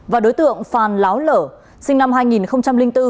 và đối tượng phan láo lở sinh năm hai nghìn bốn